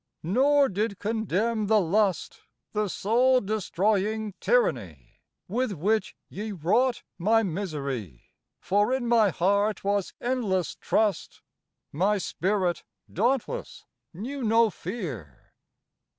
Nor did condemn the lust, The soul destroying tyranny, With which ye wrought my misery, For in my heart was endless trust, My spirit, dauntless, knew no fear.